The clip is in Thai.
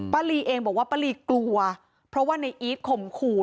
ลีเองบอกว่าป้าลีกลัวเพราะว่าในอีทข่มขู่